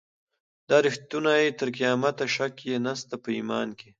دا ریښتونی تر قیامته شک یې نسته په ایمان کي